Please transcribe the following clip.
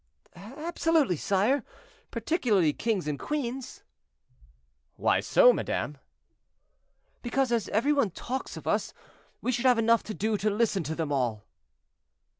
"Absolutely, sire; particularly kings and queens." "Why so, madame?" "Because, as every one talks of us, we should have enough to do to listen to them all."